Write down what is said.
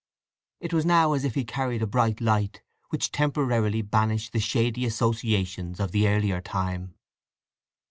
It was now as if he carried a bright light which temporarily banished the shady associations of the earlier time.